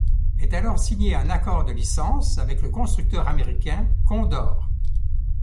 Est alors signé un accord de licence avec le constructeur américain Condor.